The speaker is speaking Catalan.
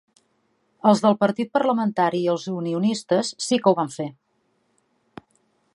Els del Partit Parlamentari i els Unionistes sí que ho van fer.